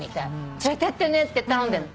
連れてってねって頼んでる。